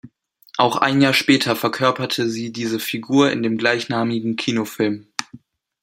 Auch ein Jahr später verkörperte sie diese Figur in dem gleichnamigen Kinofilm.